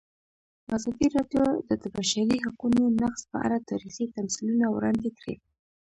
ازادي راډیو د د بشري حقونو نقض په اړه تاریخي تمثیلونه وړاندې کړي.